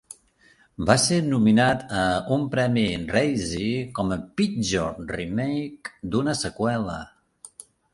Va ser nominat a un premi Razzie com a Pitjor remake d'una seqüela.